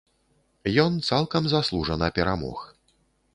Ён цалкам заслужана перамог.